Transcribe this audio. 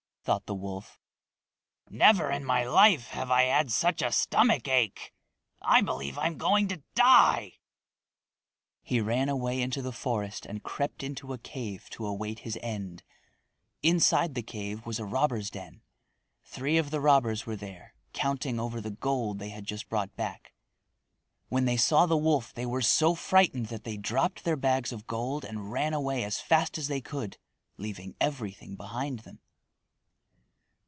thought the wolf. "Never in my life have I had such a stomachache. I believe I'm going to die." He ran away into the forest and crept into a cave to await his end. Inside the cave was a robbers' den. Three of the robbers were there counting over the gold they had just brought back. When they saw the wolf they were so frightened that they dropped their bags of gold and ran away as fast as they could, leaving everything behind them.